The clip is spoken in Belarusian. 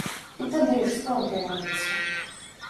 І тады, што адбываецца?